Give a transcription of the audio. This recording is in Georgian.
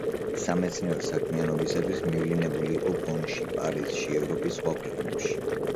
სამეცნიერო საქმიანობისათვის მივლინებული იყო ბონში, პარიზში, ევროპის სხვა ქვეყნებში.